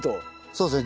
そうですね